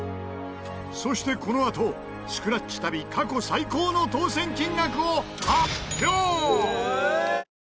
そしてこのあとスクラッチ旅過去最高の当せん金額を発表！